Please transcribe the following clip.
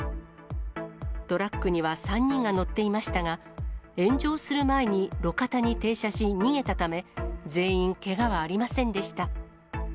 トラックには３人が乗っていましたが、炎上する前に路肩に停車し逃げたため、全員けがはありませんでした。